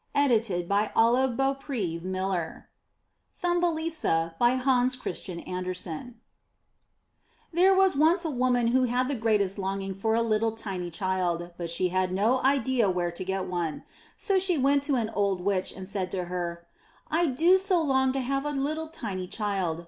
K^''^ ft. e N <s.g 413 MY BOOK HOUSE THUMBELISA Hans Christian Andersen There was once a woman who had the greatest longing for a Httle tiny child, but she had no idea where to get one; so she went to an old witch and said to her, '1 do so long to have a little tiny child.